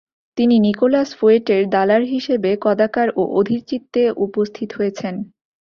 তিনি নিকোলাস ফ্যুয়েটের দালার হিসাবে কদাকার ও অধীরচিত্তে উপস্থিত হয়েছেন।